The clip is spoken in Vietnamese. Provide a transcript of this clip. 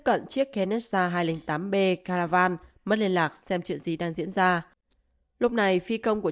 cận chiếc kennessa hai trăm linh tám b caravan mất liên lạc xem chuyện gì đang diễn ra lúc này phi công của